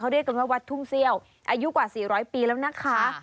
เรียกกันว่าวัดทุ่งเซี่ยวอายุกว่า๔๐๐ปีแล้วนะคะ